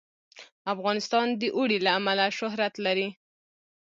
افغانستان د اوړي له امله شهرت لري.